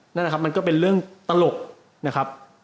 นั่นแหละครับมันก็เป็นเรื่องตลกนะครับ